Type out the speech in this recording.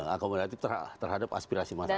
okomodatif terhadap aspirasi masyarakat